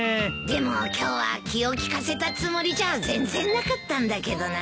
でも今日は気を利かせたつもりじゃ全然なかったんだけどなあ。